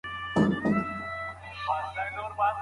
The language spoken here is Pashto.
دوهمه مرحله د بسترې جلا کول دي.